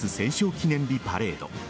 記念日パレード。